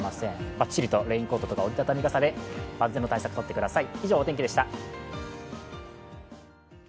ばっちりとレインコートとか折り畳み傘で万全の対策をとってください。